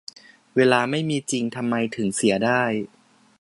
เวลาไม่มีจริง ทำไมถึงเสียได้